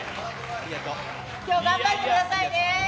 今日は頑張ってくださいね。